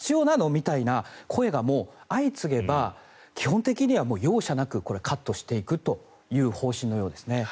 みたいな声がもう相次げば基本的には容赦なくカットしていく方針のようですね。